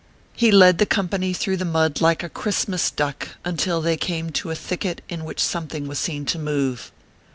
He led the com pany through the mud like a Christmas duck, until they came to a thicket in which something was seen to move.